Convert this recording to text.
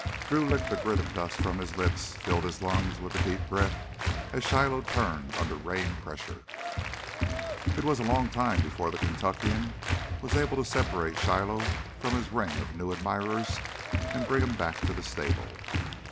Drew licked the grit of dust from his lips, filled his lungs with a deep breath as Shiloh turned under rein pressure. It was a long time before the Kentuckian was able to separate Shiloh from his ring of new admirers and bring him back to the stable.